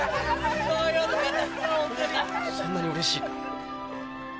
そんなにうれしいか？